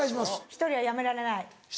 「１人はやめられない」